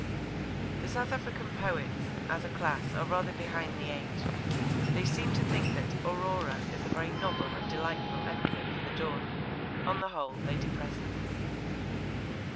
The South African poets, as a class, are rather behind the age. They seem to think that 'Aurora' is a very novel and delightful epithet for the dawn. On the whole they depress us.